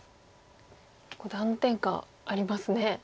結構断点がありますね。